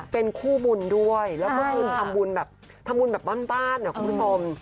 เป็นคู่บุญด้วยแล้วก็คือทำบุญแบบบ้านเนี่ยคุณพริษม